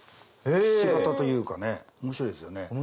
ひし形というかね面白いですよね。